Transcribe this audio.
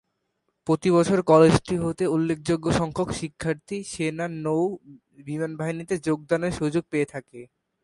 প্রতিবছর কলেজটি হতে উল্লেখযোগ্য সংখ্যক শিক্ষার্থী সেনা, নৌ, বিমানবাহিনীতে যোগদানের সুযোগ পেয়ে থাকে।